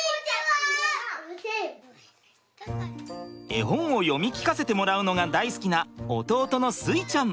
絵本を読み聞かせてもらうのが大好きな弟の穂ちゃん！